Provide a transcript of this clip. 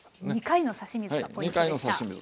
２回の差し水がポイントでした。